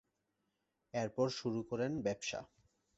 এর পর শুরু করেন ব্যবসা।